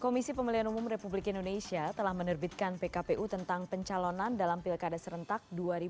komisi pemilihan umum republik indonesia telah menerbitkan pkpu tentang pencalonan dalam pilkada serentak dua ribu delapan belas